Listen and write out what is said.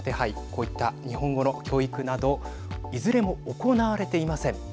こういった日本語の教育などいずれも行われていません。